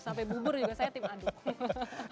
sampai bubur juga saya tim aduk